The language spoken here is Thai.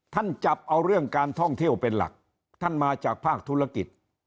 จับเอาเรื่องการท่องเที่ยวเป็นหลักท่านมาจากภาคธุรกิจ